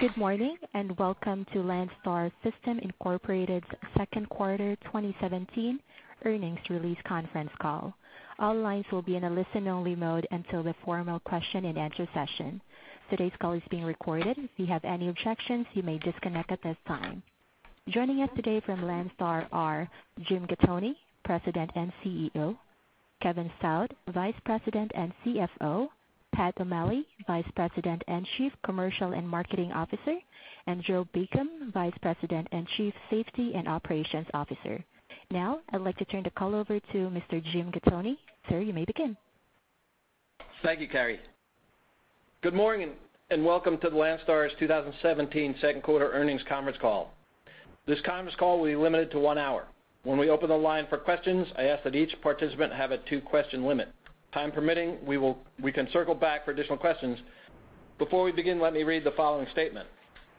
Good morning, and welcome to Landstar System Incorporated's second quarter 2017 earnings release conference call. All lines will be in a listen-only mode until the formal question-and-answer session. Today's call is being recorded. If you have any objections, you may disconnect at this time. Joining us today from Landstar are Jim Gattoni, President and CEO; Kevin Stout, Vice President and CFO; Pat O'Malley, Vice President and Chief Commercial and Marketing Officer; and Joe Beacom, Vice President and Chief Safety and Operations Officer. Now, I'd like to turn the call over to Mr. Jim Gattoni. Sir, you may begin. Thank you, Carrie. Good morning, and welcome to Landstar's 2017 second quarter earnings conference call. This conference call will be limited to one hour. When we open the line for questions, I ask that each participant have a two-question limit. Time permitting, we will, we can circle back for additional questions. Before we begin, let me read the following statement.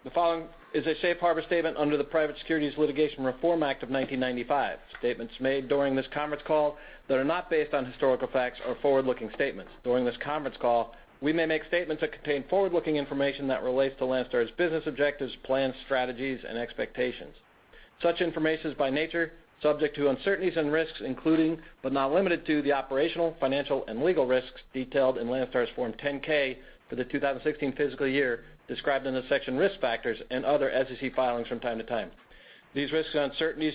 The following is a safe harbor statement under the Private Securities Litigation Reform Act of 1995. Statements made during this conference call that are not based on historical facts are forward-looking statements. During this conference call, we may make statements that contain forward-looking information that relates to Landstar's business objectives, plans, strategies, and expectations. Such information is, by nature, subject to uncertainties and risks, including, but not limited to, the operational, financial, and legal risks detailed in Landstar's Form 10-K for the 2016 fiscal year, described in the section Risk Factors and other SEC filings from time to time. These risks and uncertainties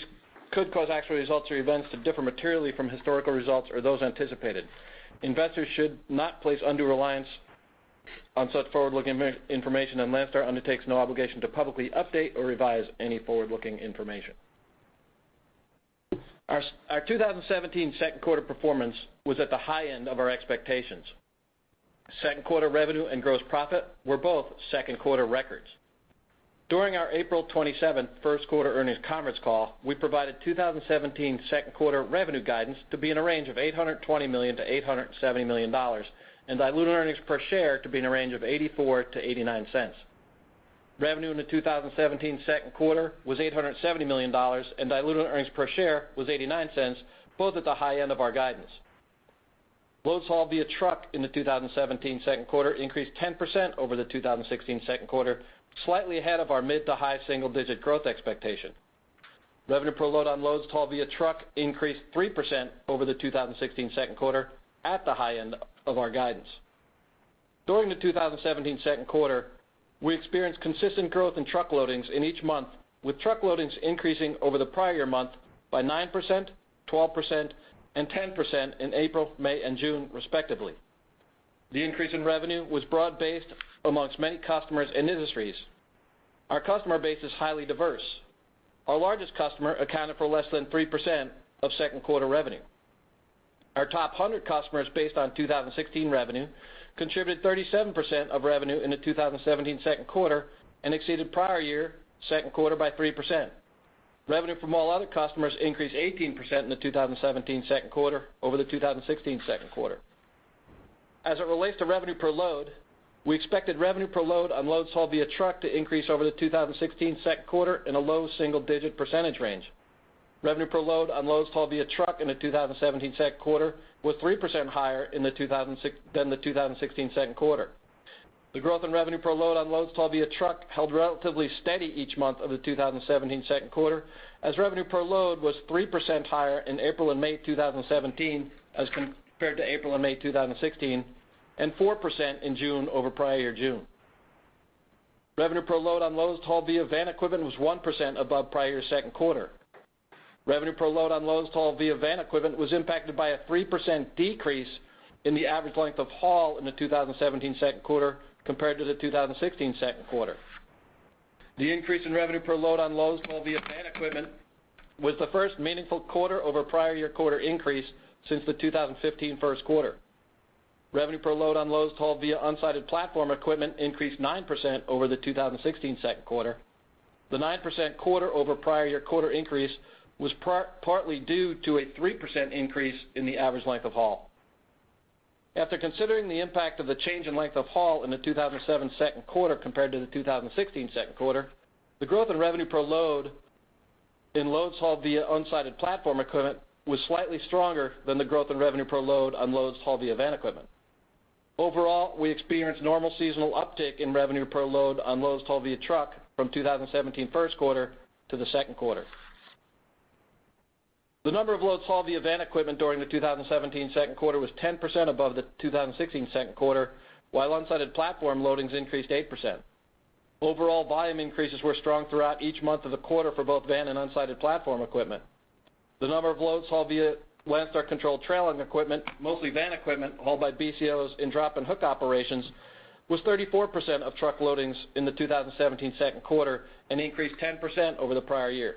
could cause actual results or events to differ materially from historical results or those anticipated. Investors should not place undue reliance on such forward-looking information, and Landstar undertakes no obligation to publicly update or revise any forward-looking information. Our 2017 second quarter performance was at the high end of our expectations. Second quarter revenue and gross profit were both second quarter records. During our April 27th first quarter earnings conference call, we provided 2017 second quarter revenue guidance to be in a range of $820 million-$870 million, and diluted earnings per share to be in a range of $0.84-$0.89. Revenue in the 2017 second quarter was $870 million, and diluted earnings per share was $0.89, both at the high end of our guidance. Loads hauled via truck in the 2017 second quarter increased 10% over the 2016 second quarter, slightly ahead of our mid to high single-digit growth expectation. Revenue per load on loads hauled via truck increased 3% over the 2016 second quarter at the high end of our guidance. During the 2017 second quarter, we experienced consistent growth in truck loadings in each month, with truck loadings increasing over the prior month by 9%, 12%, and 10% in April, May, and June, respectively. The increase in revenue was broad-based amongst many customers and industries. Our customer base is highly diverse. Our largest customer accounted for less than 3% of second quarter revenue. Our top 100 customers, based on 2016 revenue, contributed 37% of revenue in the 2017 second quarter and exceeded prior year second quarter by 3%. Revenue from all other customers increased 18% in the 2017 second quarter over the 2016 second quarter. As it relates to revenue per load, we expected revenue per load on loads hauled via truck to increase over the 2016 second quarter in a low single-digit percentage range. Revenue per load on loads hauled via truck in the 2017 second quarter was 3% higher than the 2016 second quarter. The growth in revenue per load on loads hauled via truck held relatively steady each month of the 2017 second quarter, as revenue per load was 3% higher in April and May 2017 as compared to April and May 2016, and 4% in June over prior year June. Revenue per load on loads hauled via van equipment was 1% above prior year second quarter. Revenue per load on loads hauled via van equipment was impacted by a 3% decrease in the average length of haul in the 2017 second quarter compared to the 2016 second quarter. The increase in revenue per load on loads hauled via van equipment was the first meaningful quarter-over-prior-year quarter increase since the 2015 first quarter. Revenue per load on loads hauled via unsided platform equipment increased 9% over the 2016 second quarter. The 9% quarter-over-prior-year quarter increase was partly due to a 3% increase in the average length of haul. After considering the impact of the change in length of haul in the 2017 second quarter compared to the 2016 second quarter, the growth in revenue per load in loads hauled via unsided platform equipment was slightly stronger than the growth in revenue per load on loads hauled via van equipment. Overall, we experienced normal seasonal uptick in revenue per load on loads hauled via truck from 2017 first quarter to the second quarter. The number of loads hauled via van equipment during the 2017 second quarter was 10% above the 2016 second quarter, while unsided platform loadings increased 8%. Overall volume increases were strong throughout each month of the quarter for both van and unsided platform equipment. The number of loads hauled via Landstar-controlled trailer and equipment, mostly van equipment, hauled by BCOs in drop-and-hook operations, was 34% of truck loadings in the 2017 second quarter and increased 10% over the prior year.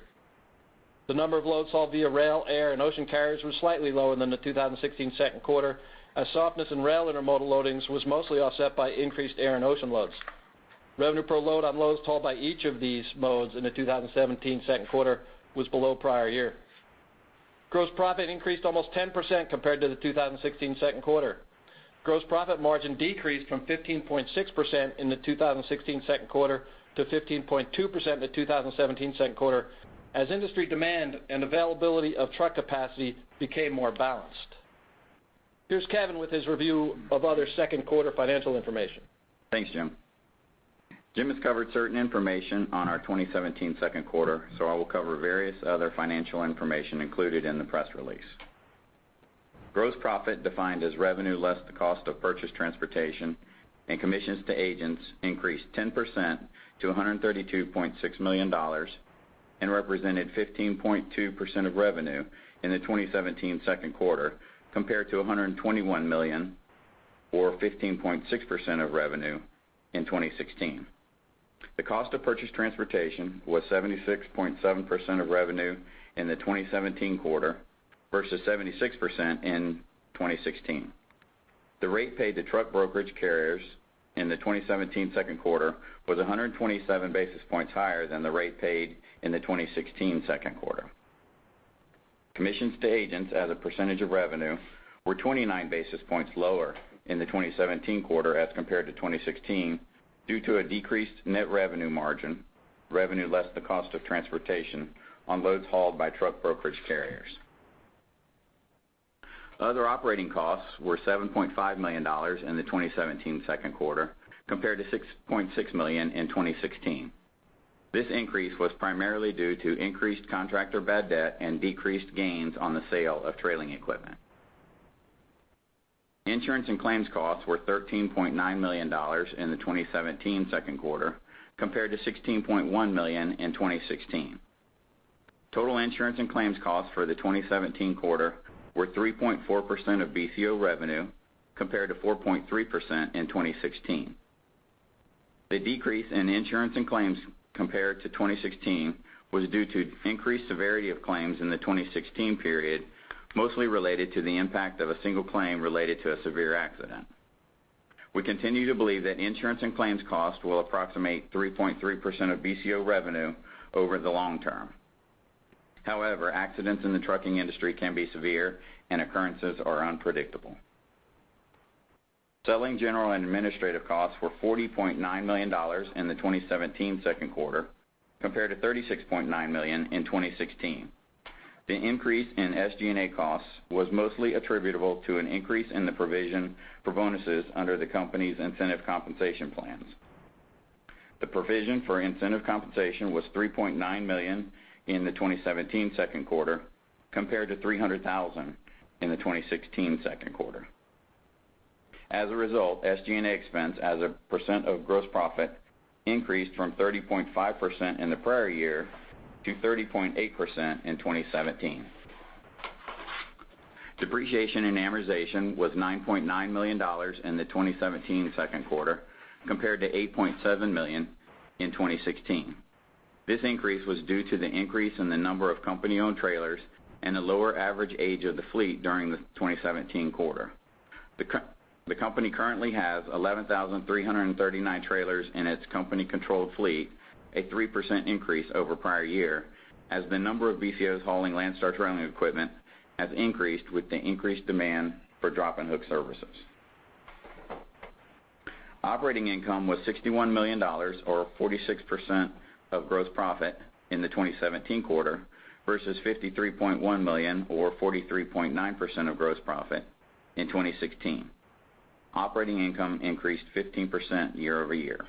The number of loads hauled via rail, air, and ocean carriers was slightly lower than the 2016 second quarter, as softness in rail intermodal loadings was mostly offset by increased air and ocean loads. Revenue per load on loads hauled by each of these modes in the 2017 second quarter was below prior year. Gross profit increased almost 10% compared to the 2016 second quarter. Gross profit margin decreased from 15.6% in the 2016 second quarter to 15.2% in the 2017 second quarter, as industry demand and availability of truck capacity became more balanced. Here's Kevin with his review of other second quarter financial information. Thanks, Jim. Jim has covered certain information on our 2017 second quarter, so I will cover various other financial information included in the press release. Gross profit, defined as revenue less the cost of purchased transportation and commissions to agents, increased 10% to $132.6 million, and represented 15.2% of revenue in the 2017 second quarter, compared to $121 million, or 15.6% of revenue, in 2016. The cost of purchased transportation was 76.7% of revenue in the 2017 quarter versus 76% in 2016. The rate paid to truck brokerage carriers in the 2017 second quarter was 127 basis points higher than the rate paid in the 2016 second quarter. Commissions to agents as a percentage of revenue were 29 basis points lower in the 2017 quarter as compared to 2016, due to a decreased net revenue margin, revenue less the cost of transportation on loads hauled by truck brokerage carriers. Other operating costs were $7.5 million in the 2017 second quarter, compared to $6.6 million in 2016. This increase was primarily due to increased contractor bad debt and decreased gains on the sale of trailing equipment. Insurance and claims costs were $13.9 million in the 2017 second quarter, compared to $16.1 million in 2016. Total insurance and claims costs for the 2017 quarter were 3.4% of BCO revenue, compared to 4.3% in 2016. The decrease in insurance and claims compared to 2016 was due to increased severity of claims in the 2016 period, mostly related to the impact of a single claim related to a severe accident. We continue to believe that insurance and claims costs will approximate 3.3% of BCO revenue over the long term. However, accidents in the trucking industry can be severe and occurrences are unpredictable. Selling, general, and administrative costs were $40.9 million in the 2017 second quarter, compared to $36.9 million in 2016. The increase in SG&A costs was mostly attributable to an increase in the provision for bonuses under the company's incentive compensation plans. The provision for incentive compensation was $3.9 million in the 2017 second quarter, compared to $300,000 in the 2016 second quarter. As a result, SG&A expense as a percent of gross profit increased from 30.5% in the prior year to 30.8% in 2017. Depreciation and amortization was $9.9 million in the 2017 second quarter, compared to $8.7 million in 2016. This increase was due to the increase in the number of company-owned trailers and a lower average age of the fleet during the 2017 quarter. The company currently has 11,339 trailers in its company-controlled fleet, a 3% increase over prior year, as the number of BCOs hauling Landstar trailing equipment has increased with the increased demand for drop-and-hook services. Operating income was $61 million, or 46% of gross profit in the 2017 quarter, versus $53.1 million, or 43.9% of gross profit, in 2016. Operating income increased 15% year-over-year.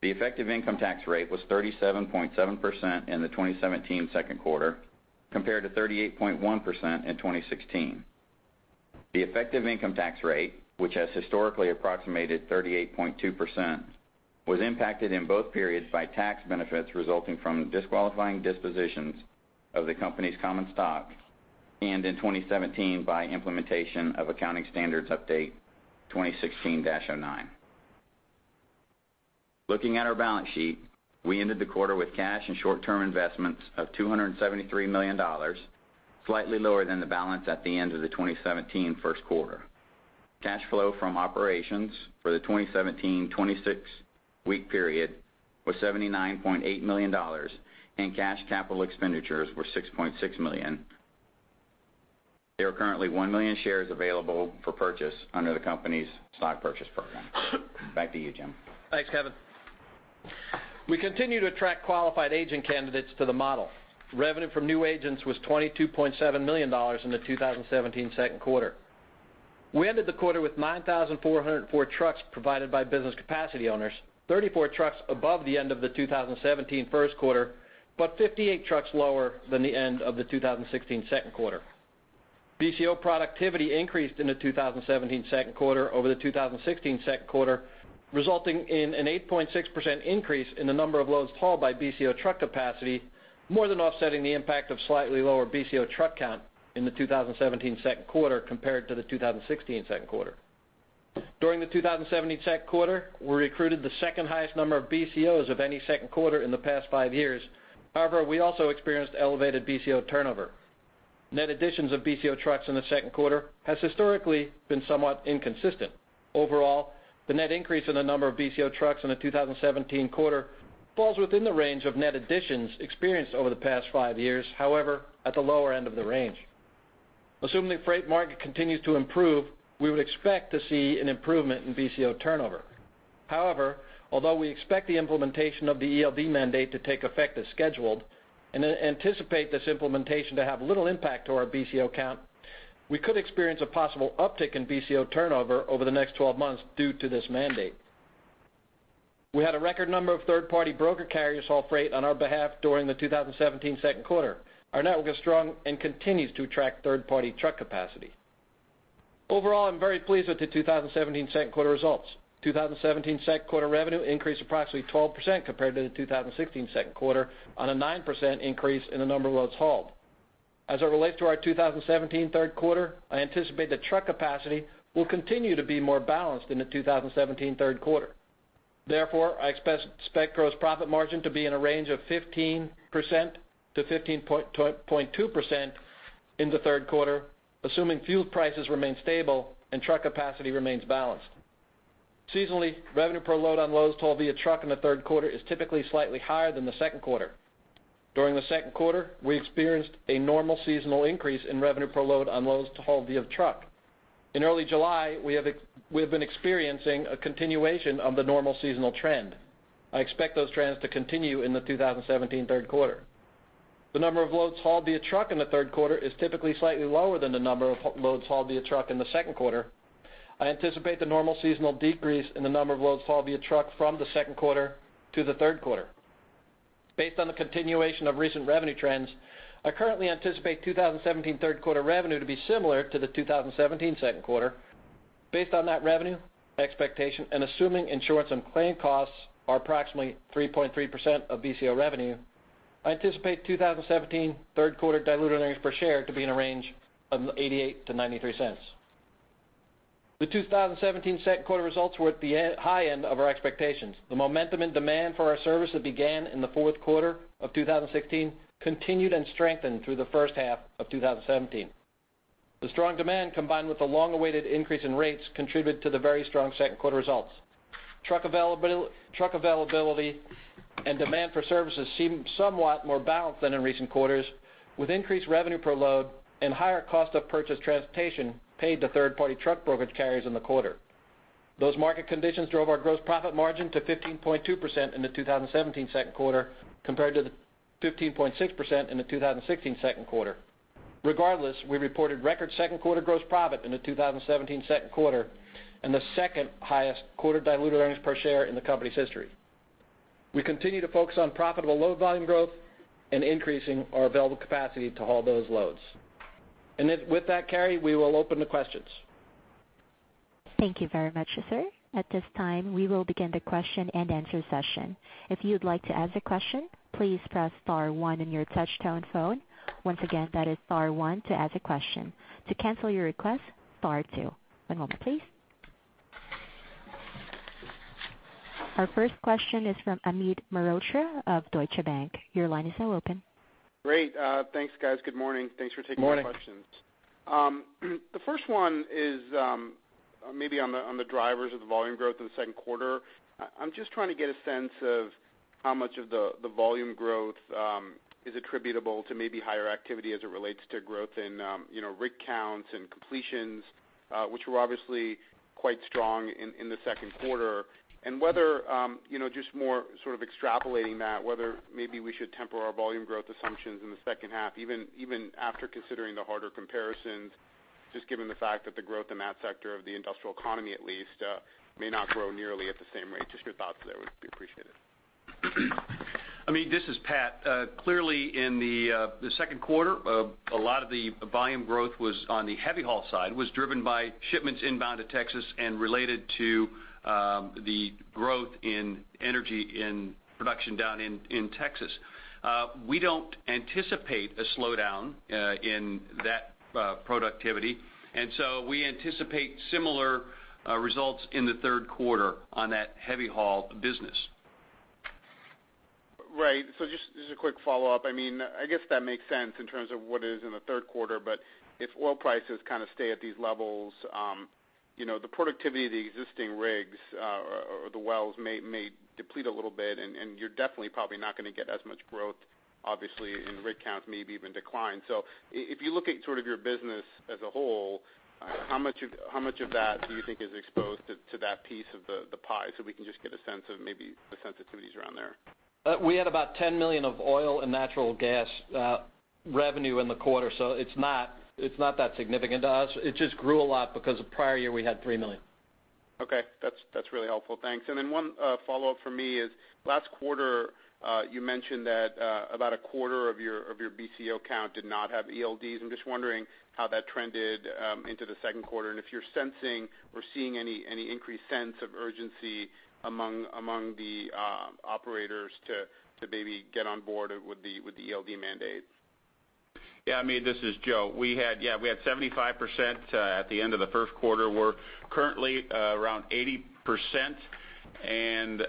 The effective income tax rate was 37.7% in the 2017 second quarter, compared to 38.1% in 2016. The effective income tax rate, which has historically approximated 38.2%, was impacted in both periods by tax benefits resulting from disqualifying dispositions of the company's common stock, and in 2017, by implementation of Accounting Standards Update 2016-09. Looking at our balance sheet, we ended the quarter with cash and short-term investments of $273 million, slightly lower than the balance at the end of the 2017 first quarter. Cash flow from operations for the 2017 26-week period was $79.8 million, and cash capital expenditures were $6.6 million. There are currently 1 million shares available for purchase under the company's stock purchase program. Back to you, Jim. Thanks, Kevin. We continue to attract qualified agent candidates to the model. Revenue from new agents was $22.7 million in the 2017 second quarter. We ended the quarter with 9,404 trucks provided by Business Capacity Owners, 34 trucks above the end of the 2017 first quarter, but 58 trucks lower than the end of the 2016 second quarter. BCO productivity increased in the 2017 second quarter over the 2016 second quarter, resulting in an 8.6% increase in the number of loads hauled by BCO truck capacity, more than offsetting the impact of slightly lower BCO truck count in the 2017 second quarter compared to the 2016 second quarter. During the 2017 second quarter, we recruited the second highest number of BCOs of any second quarter in the past five years. However, we also experienced elevated BCO turnover. Net additions of BCO trucks in the second quarter has historically been somewhat inconsistent. Overall, the net increase in the number of BCO trucks in the 2017 quarter falls within the range of net additions experienced over the past five years, however, at the lower end of the range. Assuming the freight market continues to improve, we would expect to see an improvement in BCO turnover. However, although we expect the implementation of the ELD mandate to take effect as scheduled, and then anticipate this implementation to have little impact to our BCO count, we could experience a possible uptick in BCO turnover over the next 12 months due to this mandate. We had a record number of third-party broker carriers haul freight on our behalf during the 2017 second quarter. Our network is strong and continues to attract third-party truck capacity. Overall, I'm very pleased with the 2017 second quarter results. 2017 second quarter revenue increased approximately 12% compared to the 2016 second quarter, on a 9% increase in the number of loads hauled. As it relates to our 2017 third quarter, I anticipate that truck capacity will continue to be more balanced in the 2017 third quarter. Therefore, I expect gross profit margin to be in a range of 15% to 15.2% in the third quarter, assuming fuel prices remain stable and truck capacity remains balanced. Seasonally, revenue per load on loads hauled via truck in the third quarter is typically slightly higher than the second quarter. During the second quarter, we experienced a normal seasonal increase in revenue per load on loads hauled via truck. In early July, we have been experiencing a continuation of the normal seasonal trend. I expect those trends to continue in the 2017 third quarter. The number of loads hauled via truck in the third quarter is typically slightly lower than the number of loads hauled via truck in the second quarter. I anticipate the normal seasonal decrease in the number of loads hauled via truck from the second quarter to the third quarter. Based on the continuation of recent revenue trends, I currently anticipate 2017 third quarter revenue to be similar to the 2017 second quarter. Based on that revenue expectation, and assuming insurance and claim costs are approximately 3.3% of BCO revenue, I anticipate 2017 third quarter diluted earnings per share to be in a range of $0.88-$0.93. The 2017 second quarter results were at the high end of our expectations. The momentum and demand for our service that began in the fourth quarter of 2016 continued and strengthened through the first half of 2017. The strong demand, combined with the long-awaited increase in rates, contributed to the very strong second quarter results. Truck availability and demand for services seemed somewhat more balanced than in recent quarters, with increased revenue per load and higher cost of purchased transportation paid to third-party truck brokerage carriers in the quarter. Those market conditions drove our gross profit margin to 15.2% in the 2017 second quarter, compared to the 15.6% in the 2016 second quarter. Regardless, we reported record second quarter gross profit in the 2017 second quarter, and the second highest quarter diluted earnings per share in the company's history. We continue to focus on profitable load volume growth and increasing our available capacity to haul those loads. And then with that, Carrie, we will open to questions. Thank you very much, sir. At this time, we will begin the question-and-answer session. If you'd like to ask a question, please press star one on your touch-tone phone. Once again, that is star one to ask a question. To cancel your request, star two. One moment, please. Our first question is from Amit Mehrotra of Deutsche Bank. Your line is now open. Great. Thanks, guys. Good morning. Thanks for taking our questions. Good morning. The first one is, maybe on the drivers of the volume growth in the second quarter. I'm just trying to get a sense of how much of the volume growth is attributable to maybe higher activity as it relates to growth in, you know, rig counts and completions, which were obviously quite strong in the second quarter. And whether, you know, just more sort of extrapolating that, whether maybe we should temper our volume growth assumptions in the second half, even after considering the harder comparisons, just given the fact that the growth in that sector of the industrial economy, at least, may not grow nearly at the same rate. Just your thoughts there would be appreciated. Amit, this is Pat. Clearly, in the second quarter, a lot of the volume growth was on the heavy haul side, was driven by shipments inbound to Texas and related to the growth in energy in production down in Texas. We don't anticipate a slowdown in that productivity, and so we anticipate similar results in the third quarter on that heavy haul business. Right. So just a quick follow-up. I mean, I guess that makes sense in terms of what is in the third quarter. But if oil prices kind of stay at these levels, you know, the productivity of the existing rigs, or the wells may deplete a little bit, and you're definitely probably not gonna get as much growth, obviously, and rig counts maybe even decline. So if you look at sort of your business as a whole, how much of that do you think is exposed to that piece of the pie, so we can just get a sense of maybe the sensitivities around there? We had about $10 million of oil and natural gas revenue in the quarter, so it's not, it's not that significant to us. It just grew a lot because the prior year, we had $3 million. Okay. That's, that's really helpful. Thanks. And then one follow-up from me is, last quarter, you mentioned that about a quarter of your, of your BCO count did not have ELDs. I'm just wondering how that trended into the second quarter, and if you're sensing or seeing any increased sense of urgency among the operators to maybe get on board with the ELD mandate. Yeah, Amit, this is Joe. We had, yeah, we had 75% at the end of the first quarter. We're currently around 80%, and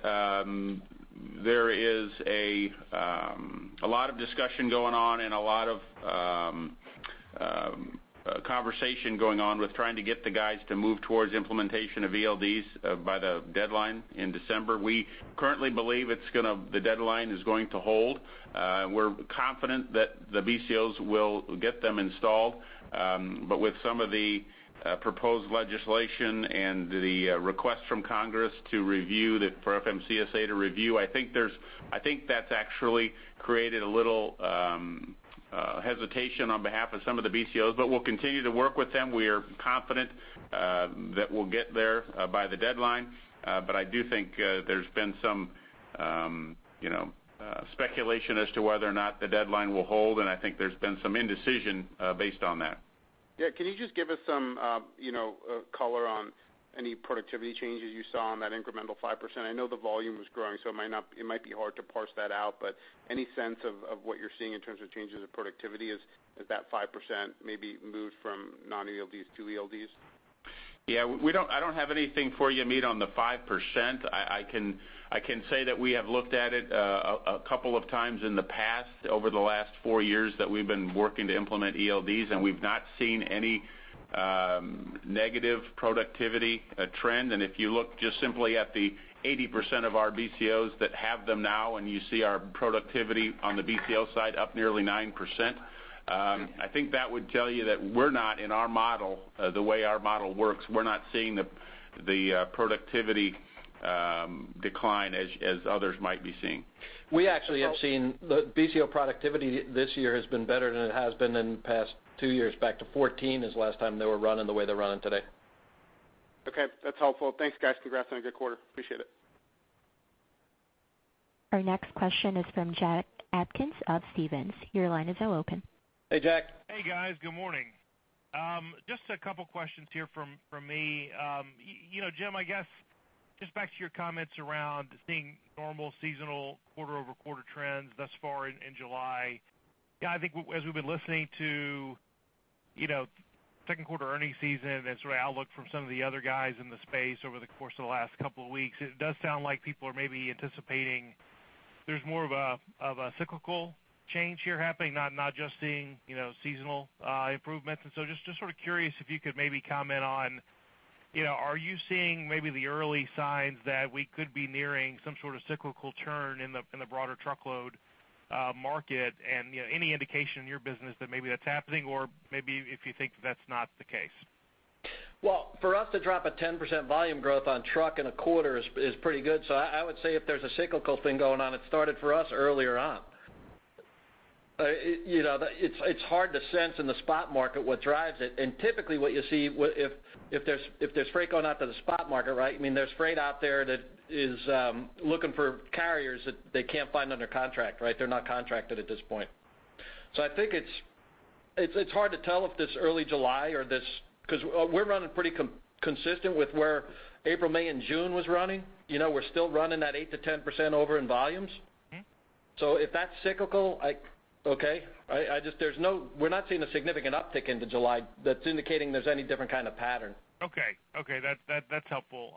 there is a lot of discussion going on and a lot of conversation going on with trying to get the guys to move towards implementation of ELDs by the deadline in December. We currently believe it's gonna—the deadline is going to hold. We're confident that the BCOs will get them installed, but with some of the...... proposed legislation and the request from Congress to review the, for FMCSA to review, I think that's actually created a little hesitation on behalf of some of the BCOs, but we'll continue to work with them. We are confident that we'll get there by the deadline. But I do think there's been some, you know, speculation as to whether or not the deadline will hold, and I think there's been some indecision based on that. Yeah. Can you just give us some, you know, color on any productivity changes you saw on that incremental 5%? I know the volume was growing, so it might be hard to parse that out, but any sense of what you're seeing in terms of changes in productivity as that 5% maybe moved from non-ELDs to ELDs? Yeah, we don't... I don't have anything for you, Amit, on the 5%. I can say that we have looked at it a couple of times in the past, over the last four years that we've been working to implement ELDs, and we've not seen any negative productivity trend. And if you look just simply at the 80% of our BCOs that have them now, and you see our productivity on the BCO side up nearly 9%, I think that would tell you that we're not, in our model, the way our model works, we're not seeing the productivity decline as others might be seeing. We actually have seen the BCO productivity this year has been better than it has been in the past two years. Back to 2014 is the last time they were running the way they're running today. Okay, that's helpful. Thanks, guys. Congrats on a good quarter. Appreciate it. Our next question is from Jack Atkins of Stephens. Your line is now open. Hey, Jack. Hey, guys. Good morning. Just a couple questions here from me. You know, Jim, I guess, just back to your comments around seeing normal seasonal quarter-over-quarter trends thus far in July. Yeah, I think as we've been listening to, you know, second quarter earnings season and sort of outlook from some of the other guys in the space over the course of the last couple of weeks, it does sound like people are maybe anticipating there's more of a cyclical change here happening, not just seeing, you know, seasonal improvements. And so just sort of curious if you could maybe comment on, you know, are you seeing maybe the early signs that we could be nearing some sort of cyclical turn in the broader truckload market? You know, any indication in your business that maybe that's happening, or maybe if you think that's not the case? Well, for us to drop a 10% volume growth on truck in a quarter is, is pretty good. So I, I would say if there's a cyclical thing going on, it started for us earlier on. It, you know, it's hard to sense in the spot market what drives it. And typically, what you see, if there's freight going out to the spot market, right? I mean, there's freight out there that is looking for carriers that they can't find under contract, right? They're not contracted at this point. So I think it's hard to tell if this early July or this... Because we're running pretty consistent with where April, May, and June was running. You know, we're still running that 8%-10% over in volumes. Mm-hmm. So if that's cyclical. Okay. I just, there's no—we're not seeing a significant uptick into July that's indicating there's any different kind of pattern. Okay. Okay, that's helpful.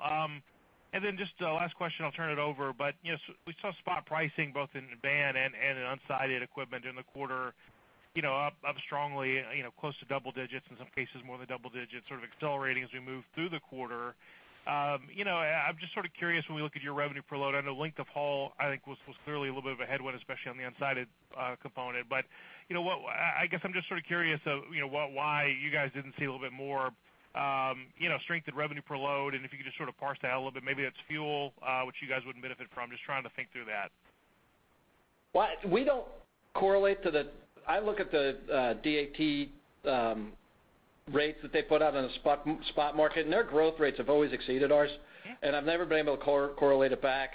And then just a last question, I'll turn it over. But, you know, so we saw spot pricing, both in van and in unsided equipment in the quarter, you know, up strongly, you know, close to double digits, in some cases more than double digits, sort of accelerating as we move through the quarter. You know, I'm just sort of curious, when we look at your revenue per load, I know length of haul, I think, was clearly a little bit of a headwind, especially on the unsided component. But, you know what? I guess I'm just sort of curious of, you know, why, why you guys didn't see a little bit more, you know, strength in revenue per load, and if you could just sort of parse that out a little bit, maybe that's fuel, which you guys wouldn't benefit from. Just trying to think through that. Well, we don't correlate to the... I look at the DAT rates that they put out on the spot market, and their growth rates have always exceeded ours. Yeah. I've never been able to correlate it back.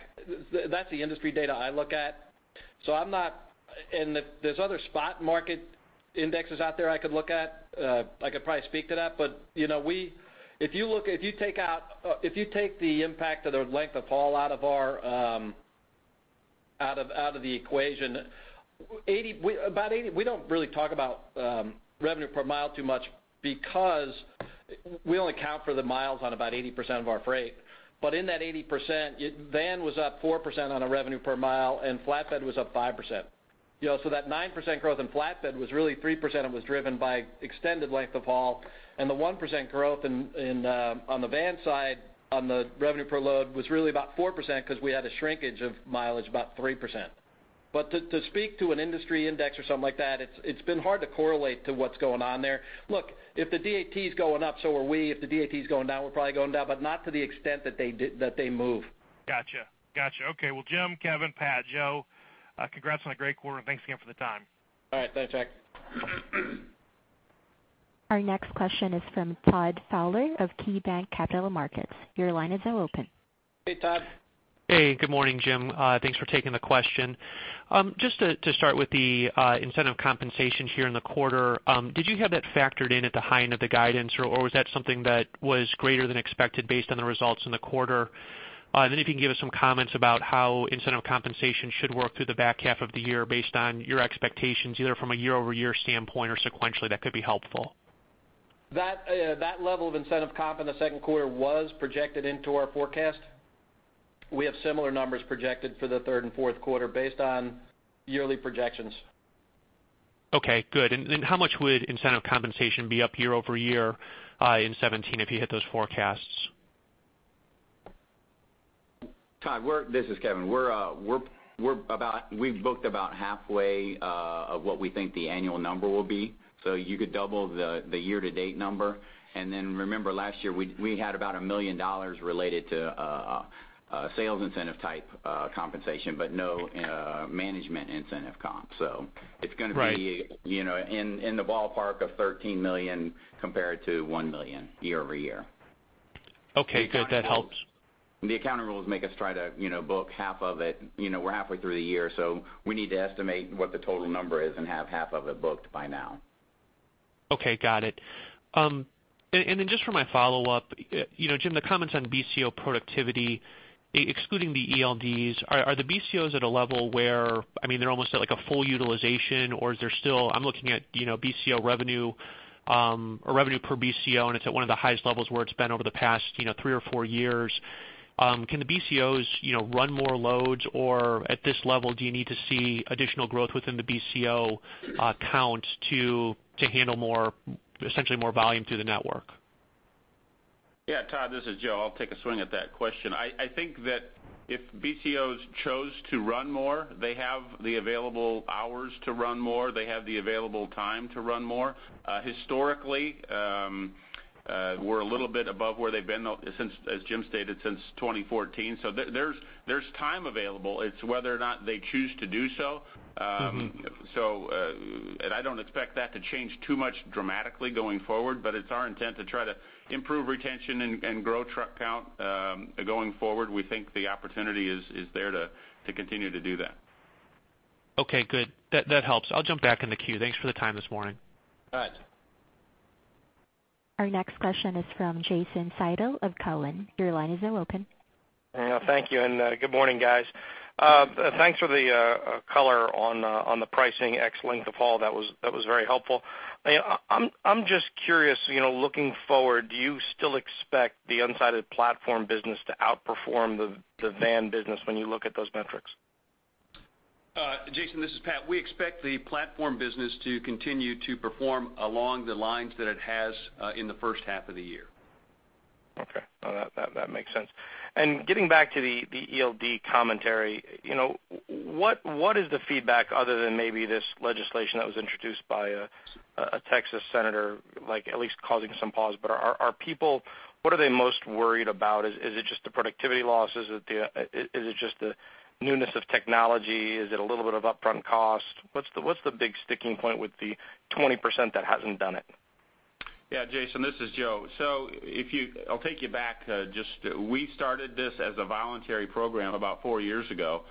That's the industry data I look at, so I'm not... And there's other spot market indexes out there I could look at. I could probably speak to that. But, you know, we if you look, if you take out, if you take the impact of the length of haul out of our, out of the equation, 80, about 80, we don't really talk about revenue per mile too much because we only account for the miles on about 80% of our freight. But in that 80%, it van was up 4% on a revenue per mile, and flatbed was up 5%. You know, so that 9% growth in flatbed was really 3%, and was driven by extended length of haul, and the 1% growth in, in, on the van side, on the revenue per load, was really about 4% because we had a shrinkage of mileage, about 3%. But to, to speak to an industry index or something like that, it's, it's been hard to correlate to what's going on there. Look, if the DAT is going up, so are we. If the DAT is going down, we're probably going down, but not to the extent that they did—that they move. Gotcha. Gotcha. Okay. Well, Jim, Kevin, Pat, Joe, congrats on a great quarter, and thanks again for the time. All right. Thanks, Jack. Our next question is from Todd Fowler of KeyBanc Capital Markets. Your line is now open. Hey, Todd. Hey, good morning, Jim. Thanks for taking the question. Just to start with the incentive compensation here in the quarter, did you have that factored in at the high end of the guidance, or was that something that was greater than expected based on the results in the quarter? And then if you can give us some comments about how incentive compensation should work through the back half of the year based on your expectations, either from a year-over-year standpoint or sequentially, that could be helpful. That, that level of incentive comp in the second quarter was projected into our forecast. We have similar numbers projected for the third and fourth quarter based on yearly projections. Okay, good. And how much would incentive compensation be up year over year in 2017, if you hit those forecasts? .Todd, this is Kevin. We're about—we've booked about halfway of what we think the annual number will be. So you could double the year-to-date number, and then remember last year, we had about $1 million related to sales incentive type compensation, but no management incentive comp. So it's gonna be- Right you know, in the ballpark of $13 million compared to $1 million year-over-year. Okay, good. That helps. The accounting rules make us try to, you know, book half of it. You know, we're halfway through the year, so we need to estimate what the total number is and have half of it booked by now. Okay, got it. And then just for my follow-up, you know, Jim, the comments on BCO productivity, excluding the ELDs, are the BCOs at a level where, I mean, they're almost at, like, a full utilization, or is there still... I'm looking at, you know, BCO revenue, or revenue per BCO, and it's at one of the highest levels where it's been over the past, you know, three or four years. Can the BCOs, you know, run more loads? Or at this level, do you need to see additional growth within the BCO count to handle more, essentially more volume through the network? Yeah, Todd, this is Joe. I'll take a swing at that question. I think that if BCOs chose to run more, they have the available hours to run more. They have the available time to run more. Historically, we're a little bit above where they've been though since, as Jim stated, since 2014, so there's time available. It's whether or not they choose to do so. Mm-hmm. So, and I don't expect that to change too much dramatically going forward, but it's our intent to try to improve retention and grow truck count going forward. We think the opportunity is there to continue to do that. Okay, good. That, that helps. I'll jump back in the queue. Thanks for the time this morning. All right. Our next question is from Jason Seidl of Cowen. Your line is now open. Thank you, and good morning, guys. Thanks for the color on the pricing X length of haul. That was, that was very helpful. I'm just curious, you know, looking forward, do you still expect the unsided platform business to outperform the van business when you look at those metrics? Jason, this is Pat. We expect the platform business to continue to perform along the lines that it has, in the first half of the year. Okay. No, that makes sense. And getting back to the ELD commentary, you know, what is the feedback other than maybe this legislation that was introduced by a Texas senator, like, at least causing some pause? But are people... What are they most worried about? Is it just the productivity loss? Is it just the newness of technology? Is it a little bit of upfront cost? What's the big sticking point with the 20% that hasn't done it? Yeah, Jason, this is Joe. So I'll take you back to just we started this as a voluntary program about four years ago,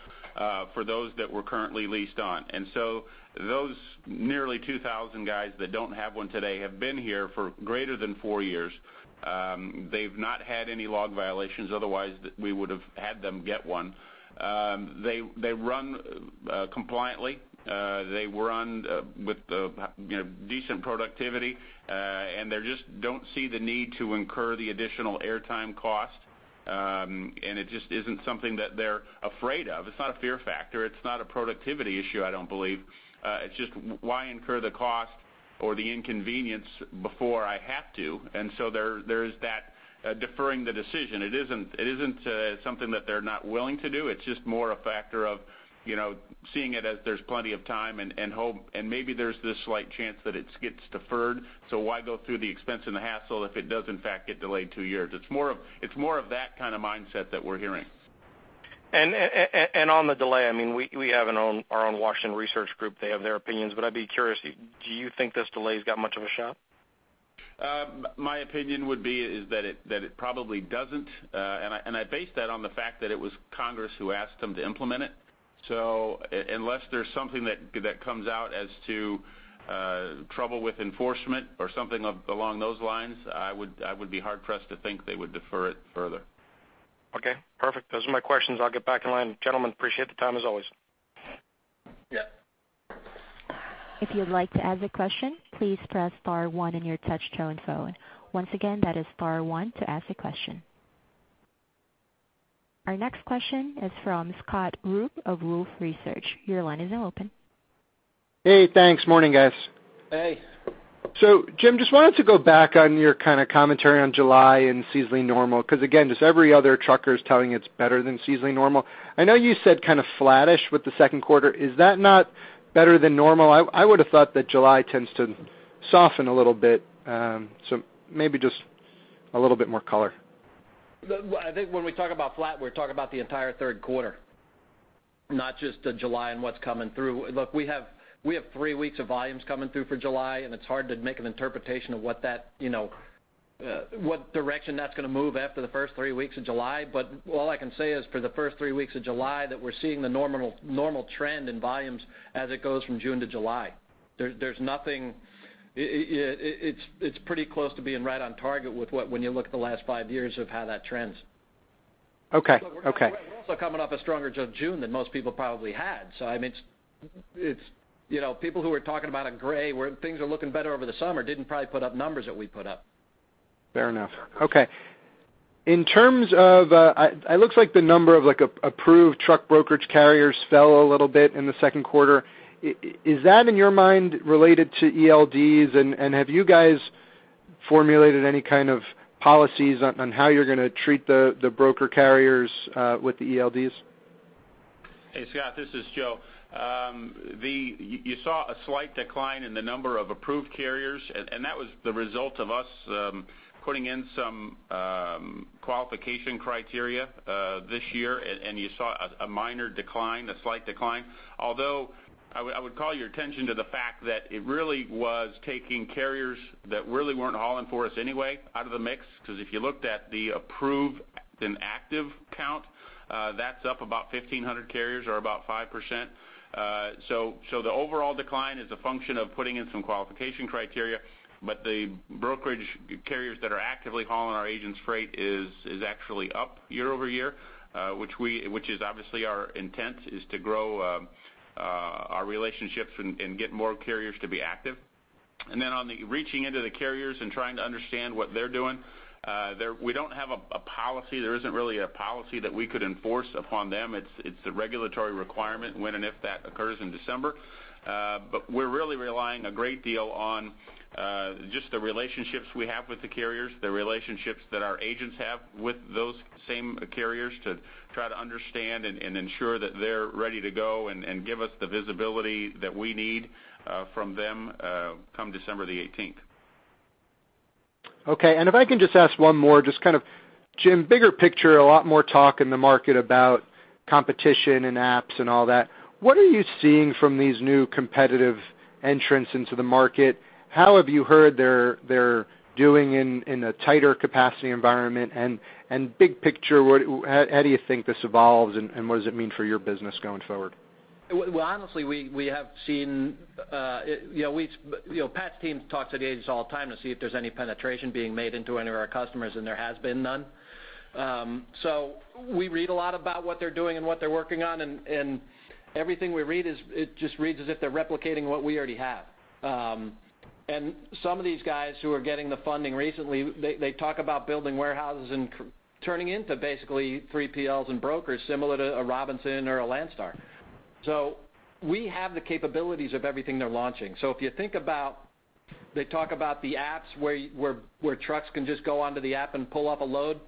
for those that were currently leased on. And so those nearly 2,000 guys that don't have one today have been here for greater than four years. They've not had any log violations, otherwise, we would've had them get one. They, they run compliantly. They run with the, you know, decent productivity, and they just don't see the need to incur the additional airtime cost. And it just isn't something that they're afraid of. It's not a fear factor. It's not a productivity issue, I don't believe. It's just why incur the cost or the inconvenience before I have to? And so there, there is that deferring the decision. It isn't, it isn't, something that they're not willing to do. It's just more a factor of, you know, seeing it as there's plenty of time and, and hope, and maybe there's this slight chance that it gets deferred. So why go through the expense and the hassle if it does, in fact, get delayed two years? It's more of, it's more of that kind of mindset that we're hearing. And on the delay, I mean, we have our own Washington Research Group. They have their opinions, but I'd be curious, do you think this delay's got much of a shot? My opinion would be is that it, that it probably doesn't, and I, and I base that on the fact that it was Congress who asked them to implement it. So unless there's something that, that comes out as to trouble with enforcement or something along those lines, I would, I would be hard-pressed to think they would defer it further. Okay, perfect. Those are my questions. I'll get back in line. Gentlemen, appreciate the time, as always. Yep. If you'd like to ask a question, please press star one on your touchtone phone. Once again, that is star one to ask a question. Our next question is from Scott Group of Wolfe Research. Your line is now open. Hey, thanks. Morning, guys. Hey. So Jim, just wanted to go back on your kind of commentary on July and seasonally normal, because again, just every other trucker is telling you it's better than seasonally normal. I know you said kind of flattish with the second quarter. Is that not better than normal? I would have thought that July tends to soften a little bit, so maybe just a little bit more color. I think when we talk about flat, we're talking about the entire third quarter, not just the July and what's coming through. Look, we have three weeks of volumes coming through for July, and it's hard to make an interpretation of what that, you know, what direction that's gonna move after the first three weeks of July. But all I can say is, for the first three weeks of July, that we're seeing the normal trend in volumes as it goes from June to July. There's nothing... it's pretty close to being right on target with what, when you look at the last five years of how that trends. Okay. Okay. We're also coming off a stronger June than most people probably had. So I mean, it's, you know, people who are talking about a gray, where things are looking better over the summer, didn't probably put up numbers that we put up. Fair enough. Okay. In terms of, it looks like the number of, like, approved truck brokerage carriers fell a little bit in the second quarter. Is that, in your mind, related to ELDs, and have you guys formulated any kind of policies on how you're going to treat the broker carriers with the ELDs? Hey, Scott, this is Joe. You saw a slight decline in the number of approved carriers, and that was the result of us putting in some qualification criteria this year. You saw a minor decline, a slight decline. Although, I would call your attention to the fact that it really was taking carriers that really weren't hauling for us anyway, out of the mix, because if you looked at the approved and active count, that's up about 1,500 carriers or about 5%. So, the overall decline is a function of putting in some qualification criteria, but the brokerage carriers that are actively hauling our agents' freight is actually up year-over-year, which is obviously our intent is to grow our relationships and get more carriers to be active. And then on the reaching into the carriers and trying to understand what they're doing, we don't have a policy. There isn't really a policy that we could enforce upon them. It's a regulatory requirement, when and if that occurs in December. But we're really relying a great deal on just the relationships we have with the carriers, the relationships that our agents have with those same carriers to try to understand and ensure that they're ready to go and give us the visibility that we need from them come December the 18th. Okay. And if I can just ask one more, just kind of, Jim, bigger picture, a lot more talk in the market about competition and apps and all that. What are you seeing from these new competitive entrants into the market? How have you heard they're doing in a tighter capacity environment? And big picture, what—how do you think this evolves, and what does it mean for your business going forward? Well, honestly, we have seen, you know, Pat's team talks to the agents all the time to see if there's any penetration being made into any of our customers, and there has been none. So we read a lot about what they're doing and what they're working on, and everything we read is, it just reads as if they're replicating what we already have. And some of these guys who are getting the funding recently, they talk about building warehouses and turning into basically 3PLs and brokers similar to a Robinson or a Landstar. So we have the capabilities of everything they're launching. So if you think about, they talk about the apps where trucks can just go onto the app and pull up a load.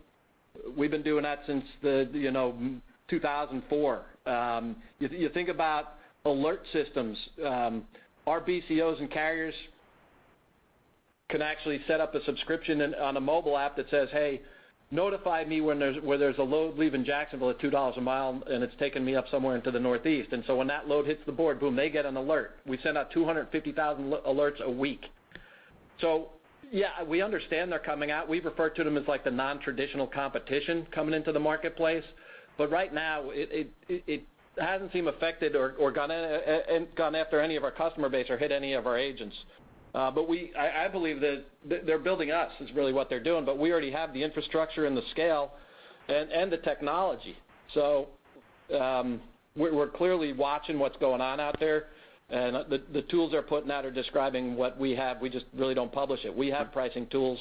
We've been doing that since the, you know, 2004. You think about alert systems, our BCOs and carriers can actually set up a subscription on a mobile app that says, "Hey, notify me when there's a load leaving Jacksonville at $2 a mile, and it's taking me up somewhere into the Northeast." And so when that load hits the board, boom, they get an alert. We send out 250,000 alerts a week. So yeah, we understand they're coming out. We refer to them as, like, the non-traditional competition coming into the marketplace, but right now, it hasn't seemed affected or gone after any of our customer base or hit any of our agents. But we I believe that they're building us, is really what they're doing, but we already have the infrastructure and the scale and the technology. So, we're clearly watching what's going on out there, and the tools they're putting out are describing what we have. We just really don't publish it. We have pricing tools.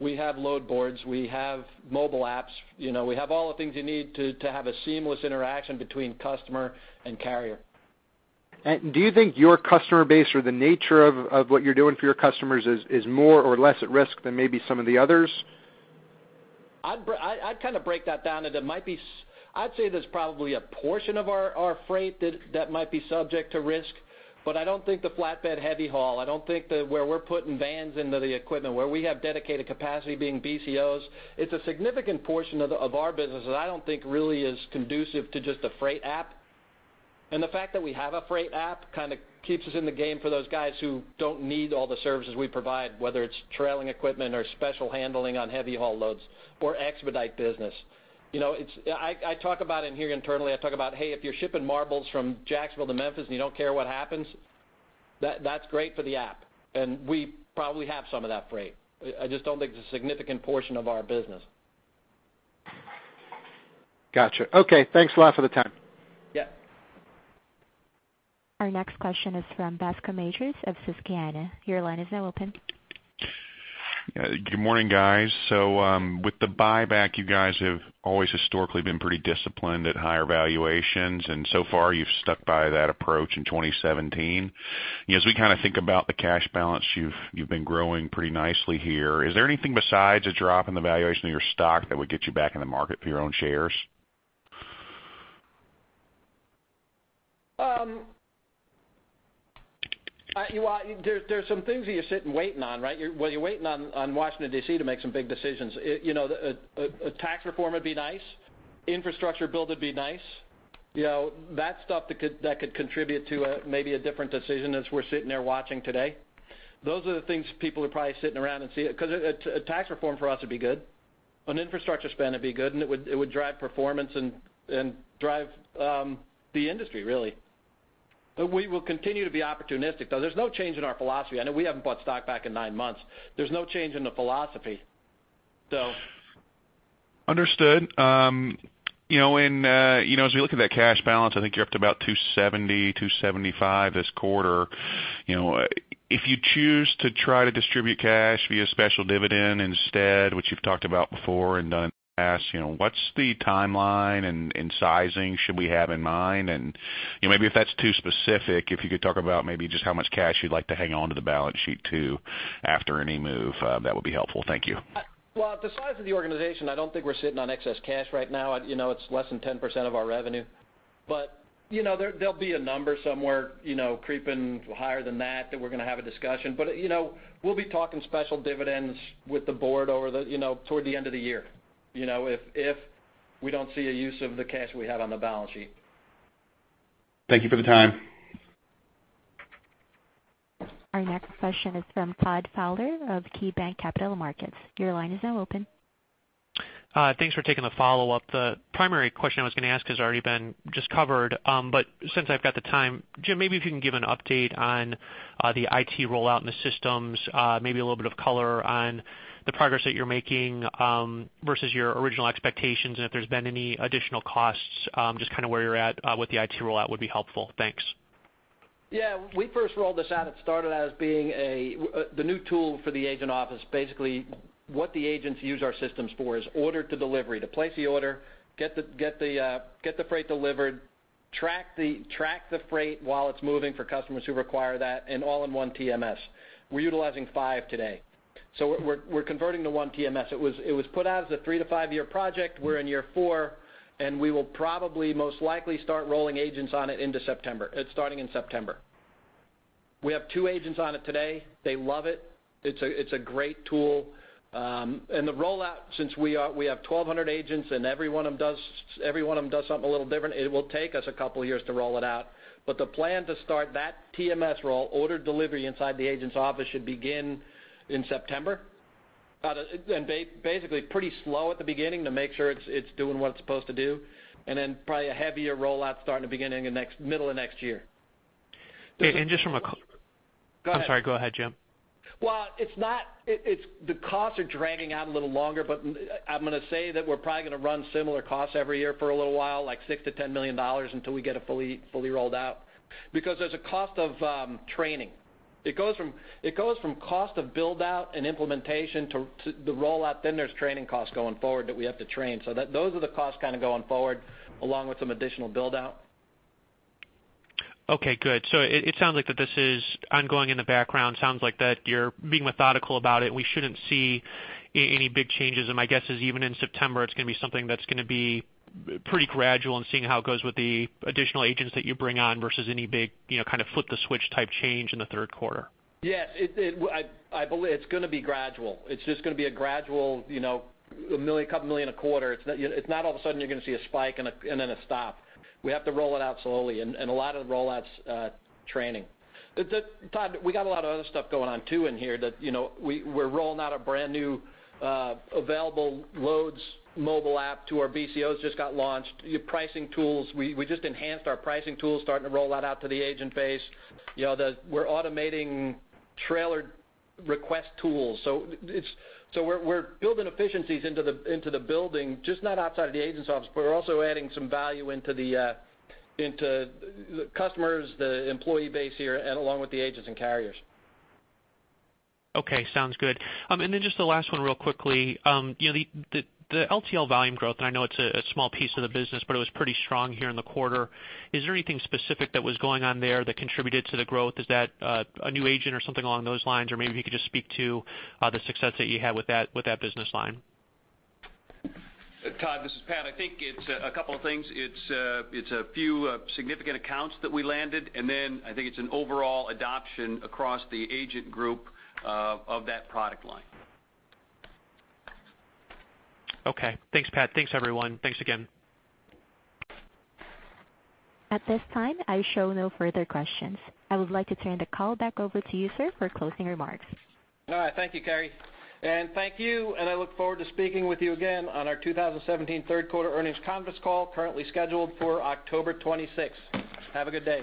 We have load boards. We have mobile apps. You know, we have all the things you need to have a seamless interaction between customer and carrier. Do you think your customer base or the nature of what you're doing for your customers is more or less at risk than maybe some of the others? I'd kind of break that down into might be... I'd say there's probably a portion of our freight that might be subject to risk, but I don't think the flatbed heavy haul, I don't think that where we're putting vans into the equipment, where we have dedicated capacity being BCOs, it's a significant portion of our business that I don't think really is conducive to just a freight app. And the fact that we have a freight app kind of keeps us in the game for those guys who don't need all the services we provide, whether it's trailing equipment or special handling on heavy haul loads or expedite business. You know, it's... I talk about it in here internally. I talk about, hey, if you're shipping marbles from Jacksonville to Memphis, and you don't care what happens, that, that's great for the app, and we probably have some of that freight. I just don't think it's a significant portion of our business. Gotcha. Okay, thanks a lot for the time. Yeah. Our next question is from Bascome Majors of Susquehanna. Your line is now open. Good morning, guys. So, with the buyback, you guys have always historically been pretty disciplined at higher valuations, and so far, you've stuck by that approach in 2017. As we kind of think about the cash balance, you've, you've been growing pretty nicely here. Is there anything besides a drop in the valuation of your stock that would get you back in the market for your own shares? There are some things that you're sitting waiting on, right? Well, you're waiting on Washington, D.C., to make some big decisions. You know, tax reform would be nice. Infrastructure build would be nice. You know, that stuff that could contribute to maybe a different decision as we're sitting there watching today. Those are the things people are probably sitting around and see, because tax reform for us would be good. An infrastructure spend would be good, and it would drive performance and drive the industry, really. But we will continue to be opportunistic, though. There's no change in our philosophy. I know we haven't bought stock back in nine months. There's no change in the philosophy, so. Understood. You know, and, you know, as we look at that cash balance, I think you're up to about $270-$275 this quarter. You know, if you choose to try to distribute cash via special dividend instead, which you've talked about before and done in the past, you know, what's the timeline and, and sizing should we have in mind? And, you know, maybe if that's too specific, if you could talk about maybe just how much cash you'd like to hang on to the balance sheet, too, after any move, that would be helpful. Thank you. Well, the size of the organization, I don't think we're sitting on excess cash right now. You know, it's less than 10% of our revenue. But, you know, there, there'll be a number somewhere, you know, creeping higher than that, that we're going to have a discussion. But, you know, we'll be talking special dividends with the board over the, you know, toward the end of the year, you know, if, if we don't see a use of the cash we have on the balance sheet. Thank you for the time. Our next question is from Todd Fowler of KeyBanc Capital Markets. Your line is now open. Thanks for taking the follow-up. The primary question I was going to ask has already been just covered. But since I've got the time, Jim, maybe if you can give an update on the IT rollout and the systems, maybe a little bit of color on the progress that you're making versus your original expectations, and if there's been any additional costs, just kind of where you're at with the IT rollout would be helpful. Thanks. Yeah. We first rolled this out. It started out as being a, the new tool for the agent office. Basically, what the agents use our systems for is order to delivery, to place the order, get the freight delivered, track the freight while it's moving for customers who require that in all-in-one TMS. We're utilizing 5 today, so we're converting to one TMS. It was put out as a 3- to 5-year project. We're in year 4, and we will probably most likely start rolling agents on it into September, starting in September. We have 2 agents on it today. They love it. It's a great tool. And the rollout, since we are, we have 1,200 agents, and every one of them does, every one of them does something a little different, it will take us a couple of years to roll it out. But the plan to start that TMS roll, order delivery inside the agent's office, should begin in September. And basically, pretty slow at the beginning to make sure it's, it's doing what it's supposed to do, and then probably a heavier rollout starting the beginning of next, middle of next year. And just from a- Go ahead. I'm sorry. Go ahead, Jim. Well, it's not. It's the costs are dragging out a little longer, but I'm going to say that we're probably going to run similar costs every year for a little while, like $6 million-$10 million, until we get it fully rolled out. Because there's a cost of training. It goes from cost of build-out and implementation to the rollout, then there's training costs going forward that we have to train. So those are the costs kind of going forward, along with some additional build-out. Okay, good. So it sounds like that this is ongoing in the background. Sounds like that you're being methodical about it. We shouldn't see any big changes, and my guess is, even in September, it's going to be something that's going to be pretty gradual and seeing how it goes with the additional agents that you bring on versus any big, you know, kind of flip the switch type change in the third quarter. Yes, I believe it's going to be gradual. It's just going to be a gradual, you know, $1 million, a couple million a quarter. It's not all of a sudden you're going to see a spike and then a stop. We have to roll it out slowly, and a lot of the rollout's training. Todd, we got a lot of other stuff going on, too, in here that, you know, we, we're rolling out a brand-new Available Loads mobile app to our BCOs, just got launched. Pricing tools, we just enhanced our pricing tools, starting to roll that out to the agent base. You know, the... We're automating trailer request tools. So we're building efficiencies into the building, just not outside of the agent's office, but we're also adding some value into the customers, the employee base here, and along with the agents and carriers. Okay, sounds good. And then just the last one real quickly. You know, the LTL volume growth, and I know it's a small piece of the business, but it was pretty strong here in the quarter. Is there anything specific that was going on there that contributed to the growth? Is that a new agent or something along those lines? Or maybe if you could just speak to the success that you had with that business line. Todd, this is Pat. I think it's a couple of things. It's a few significant accounts that we landed, and then I think it's an overall adoption across the agent group of that product line. Okay. Thanks, Pat. Thanks, everyone. Thanks again. At this time, I show no further questions. I would like to turn the call back over to you, sir, for closing remarks. All right. Thank you, Carrie, and thank you, and I look forward to speaking with you again on our 2017 third quarter earnings conference call, currently scheduled for October 26th. Have a good day.